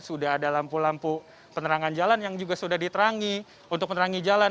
sudah ada lampu lampu penerangan jalan yang juga sudah diterangi untuk menerangi jalan